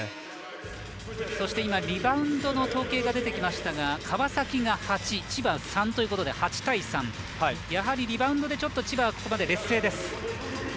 そして、リバウンドの統計が出てきましたが川崎が８、千葉３ということで８対３、リバウンドでちょっと千葉、劣勢です。